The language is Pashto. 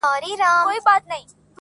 • مور د ټولني فشار زغمي ډېر,